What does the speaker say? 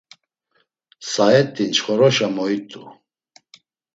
Saet̆i nçxoroşa moit̆u.